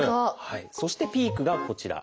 そしてピークがこちら。